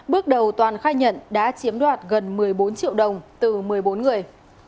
bước đầu toàn khai nhận đã chiếm đoạt gần một mươi bốn triệu đồng từ một mươi bốn người